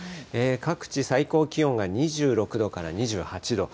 各地、最高気温が２６度から２８度。